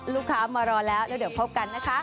ลูกค้ามารอแล้วแล้วเดี๋ยวพบกันนะคะ